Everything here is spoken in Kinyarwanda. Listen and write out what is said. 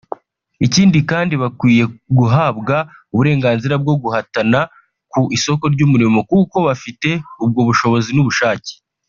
ikindi kandi bakwiye guhabwa uburenganzira bwo guhatana ku isoko ry’umurimo kuko bafite ubwo bushobozi n’ubushake